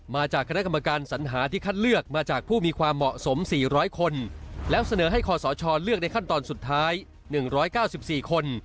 มาจากคณะกรรมการสัญหาที่คัดเลือกมาจากผู้มีความเหมาะสม๔๐๐คนแล้วเสนอให้คอสชเลือกในขั้นตอนสุดท้าย๑๙๔คน